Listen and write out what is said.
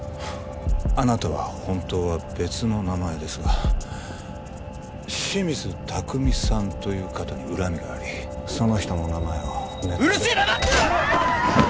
あなたは本当は別の名前ですがシミズタクミさんという方に恨みがありその人の名前をうるせえ黙ってろ！